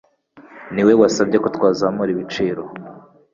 niwe wasabye ko twazamura ibiciro.